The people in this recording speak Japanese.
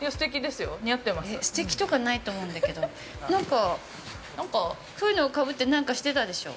◆すてきとかないと思うんだけどなんか、そういうのかぶって何かしてたでしょ。